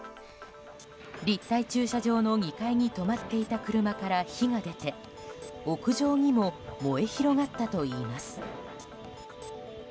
立体駐車場の２階に止まっていた車から火が出て屋上にも燃え広がったといいます。